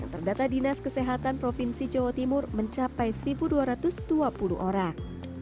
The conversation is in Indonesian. terdata dinas kesehatan provinsi jawa timur mencapai satu dua ratus dua puluh orang